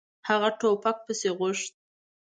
هغه ټوپک پسې غوښت.